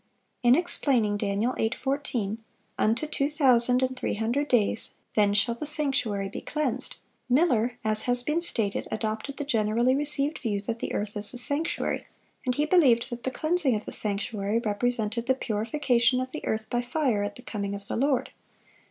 In explaining Dan. 8:14, "Unto two thousand and three hundred days, then shall the sanctuary be cleansed," Miller, as has been stated, adopted the generally received view that the earth is the sanctuary, and he believed that the cleansing of the sanctuary represented the purification of the earth by fire at the coming of the Lord.